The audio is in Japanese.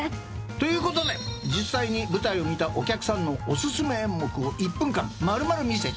ということで実際に舞台を見たお客さんのお薦め演目を１分間丸々見せちゃう。